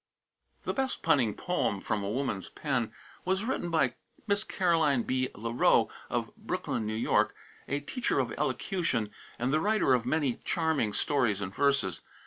The best punning poem from a woman's pen was written by Miss Caroline B. Le Row, of Brooklyn, N.Y., a teacher of elocution, and the writer of many charming stories and verses.